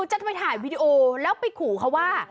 จะไปถ่ายวีดีโอแล้วไปขู่เขาว่า